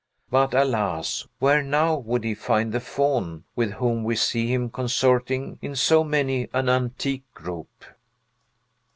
But, alas! where now would he find the Faun with whom we see him consorting in so many an antique group?